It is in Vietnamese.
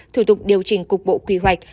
thủ tục điều chỉnh cục bộ quy hoạch